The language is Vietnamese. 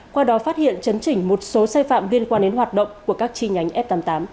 qua đó phát hiện chấn chỉnh một số sai phạm liên quan đến hoạt động của các chi nhánh f tám mươi tám